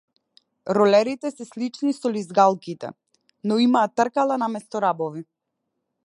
Ролерите се слични со лизгалките, но имаат тркала наместо рабови.